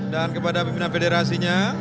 dan kepada pimpinan federasinya